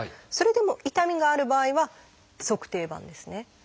それでも痛みがある場合は足底板ですね。